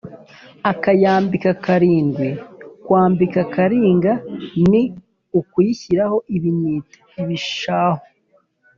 akayambika karindwi: kwambika karinga ni ukuyishyiraho ibinyita (ibishahu)